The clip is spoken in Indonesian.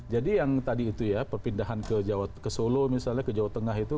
jadi yang tadi itu ya perpindahan ke solo misalnya ke jawa tengah itu